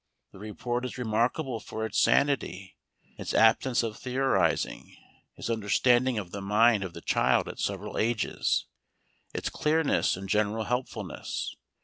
The report is remarkable for its sanity, its absence of theorizing, its understanding of the mind of the child at several ages, its clearness and general helpfulness.